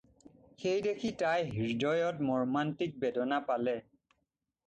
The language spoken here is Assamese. সেইদেখি তাই হৃদয়ত মৰ্মান্তিক বেদনা পালে।